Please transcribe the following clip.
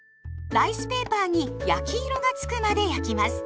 ライスペーパーに焼き色がつくまで焼きます。